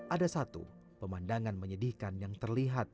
ada satu pemandangan menyedihkan yang terlihat